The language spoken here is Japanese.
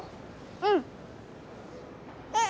うん。